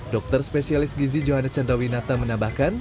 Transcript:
dokter spesialis gizi johannes chandrawinata menambahkan